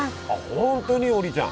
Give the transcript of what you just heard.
本当に王林ちゃん。